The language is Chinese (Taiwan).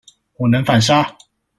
我能反殺